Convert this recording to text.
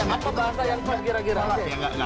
apa bahasa yang pas kira kira